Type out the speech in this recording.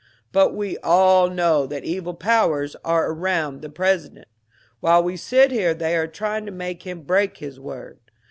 But we all know that evil powers are around the President. While we sit here they are trying to make him break his word.